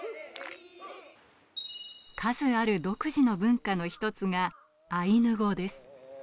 数ある独自の文化の一つがアイヌ語です。